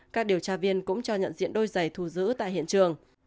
các điều tra viên cũng cho nhận diện đôi giày thù giữ tại hiện trường